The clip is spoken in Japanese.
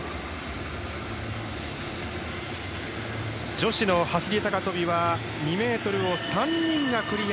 女子の走り高跳びは２ｍを３人がクリア。